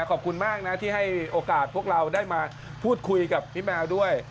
ขอบคุณมากนะที่ให้โอกาสพวกเราได้มาพูดคุยกับพี่แมวด้วย